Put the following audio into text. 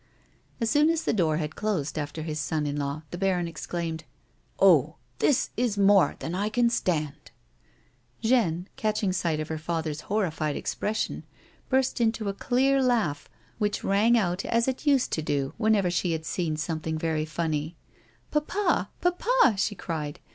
As soon as the door had closed after his son in law, the baron exclaimed :" Oh, this is more than I can stand !" Jeanne, catching sight of her father's horrified expression, burst into a clear laugh which rang out as it used to do whenever she had seen something very funny :" Papa, papa !" she cried.